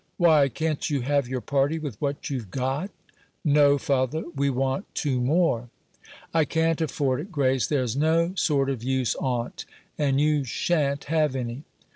"Why, can't you have your party with what you've got?" "No, father, we want two more." "I can't afford it, Grace there's no sort of use on't and you sha'n't have any."